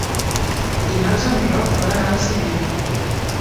Dimarts en Roc vol anar al cinema.